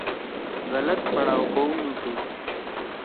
غلط پڑھاؤ کؤ نُو تُھو۔